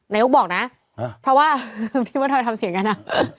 นายกบอกนะเพราะว่าพี่ว่าทอยทำเสียงกันอ่ะ